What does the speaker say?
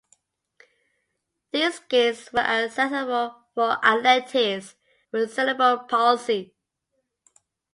These Games were accessible for all athletes with cerebral palsy.